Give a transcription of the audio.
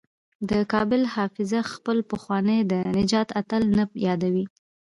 د کابل حافظه خپل پخوانی د نجات اتل نه یادوي.